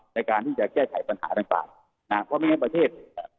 ในการที่จะแก้ไขปัญหาต่างนะครับเพราะไม่งั้นประเทศ